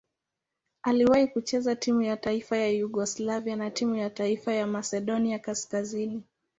Aliwahi kucheza timu ya taifa ya Yugoslavia na timu ya taifa ya Masedonia Kaskazini.